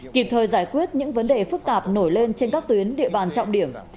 kịp thời giải quyết những vấn đề phức tạp nổi lên trên các tuyến địa bàn trọng điểm